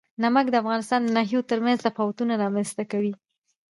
نمک د افغانستان د ناحیو ترمنځ تفاوتونه رامنځ ته کوي.